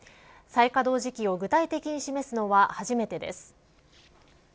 再稼働時期を具体的に示すのは初めてです。